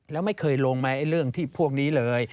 แล้วไม่เคยลงไหมเรื่องที่พวกนี้เลย